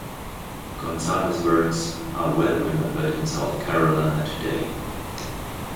Gonzales' works are well remembered in South Carolina today.